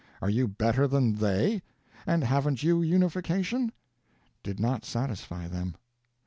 Are you better than they? and haven't you unification?" did not satisfy them.